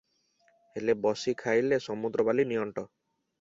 ହେଲେ ବସି ଖାଇଲେ ସମୁଦ୍ର ବାଲି ନିଅଣ୍ଟ ।